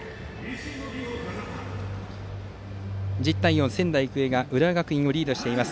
１０対４と仙台育英が浦和学院をリードしています。